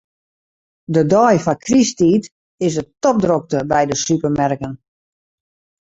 De dei foar krysttiid is it topdrokte by de supermerken.